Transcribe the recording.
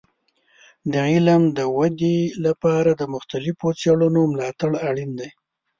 د علم د ودې لپاره د مختلفو څیړنو ملاتړ اړین دی.